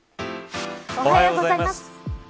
おはようございます。